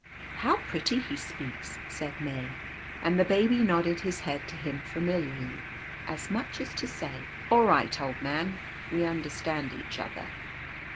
" How pretty he speaks," said May ; and the Baby nodded his head to him familiarly, as much as to say :" All right, old man, we understand each other."